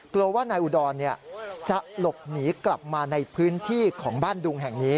กลัวว่านายอุดรจะหลบหนีกลับมาในพื้นที่ของบ้านดุงแห่งนี้